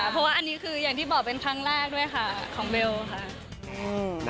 เพราะว่าอันนี้คืออย่างที่บอกเป็นครั้งแรกด้วยค่ะของเบลค่ะ